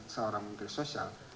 seorang menteri sosial